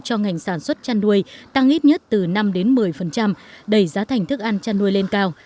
cho ngành sản xuất chăn nuôi tăng ít nhất từ năm một mươi đẩy giá thành thức ăn chăn nuôi lên cao